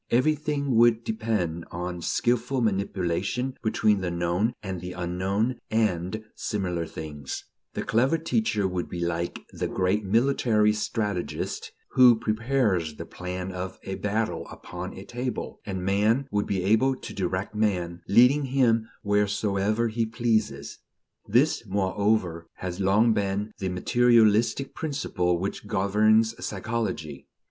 Everything would depend on skilful manipulation between the known and the unknown and similar things: the clever teacher would be like the great military strategist, who prepares the plan of a battle upon a table; and man would be able to direct man, leading him wheresoever he pleases. This, moreover, has long been the materialistic principle which governs psychology.